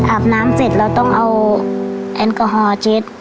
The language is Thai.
อาบน้ำเสร็จเราต้องเอาแอลกอฮอลเช็ด